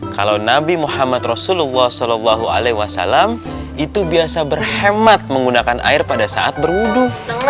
kalau nabi muhammad rasulullah saw itu biasa berhemat menggunakan air pada saat berwudu